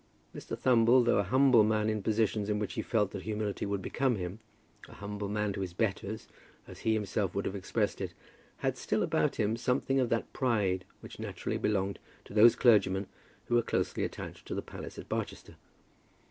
Mr. Thumble, though a humble man in positions in which he felt that humility would become him, a humble man to his betters, as he himself would have expressed it, had still about him something of that pride which naturally belonged to those clergymen who were closely attached to the palace at Barchester.